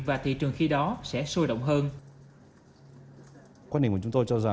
và thị trường sẽ tăng tốt